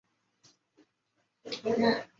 圣母玛利亚为金马刺教宗骑士团的主保圣人。